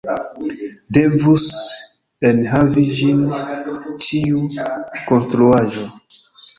Devus enhavi ĝin ĉiu konstruaĵo.